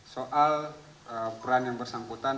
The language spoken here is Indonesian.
soal peran yang bersangkutan